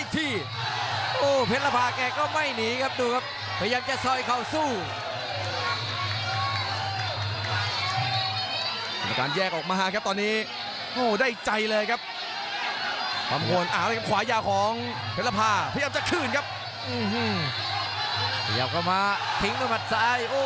ต้องออกอาวุธบ้างครับเพนรพา